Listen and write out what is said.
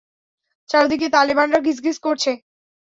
চারদিকে তালেবানরা গিজগিজ করছে।